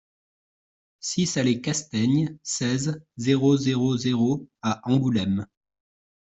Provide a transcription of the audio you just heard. six allée Castaigne, seize, zéro zéro zéro à Angoulême